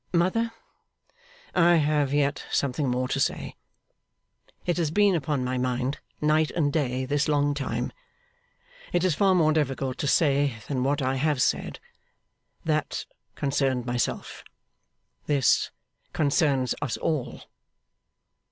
'Mother, I have yet something more to say. It has been upon my mind, night and day, this long time. It is far more difficult to say than what I have said. That concerned myself; this concerns us all.